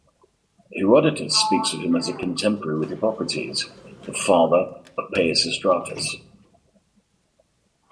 Herodotus speaks of him as contemporary with Hippocrates, the father of Peisistratus.